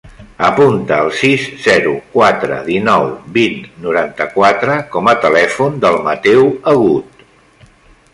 Apunta el sis, zero, quatre, dinou, vint, noranta-quatre com a telèfon del Mateu Agut.